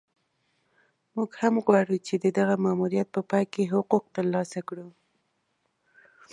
موږ هم غواړو چې د دغه ماموریت په پای کې حقوق ترلاسه کړو.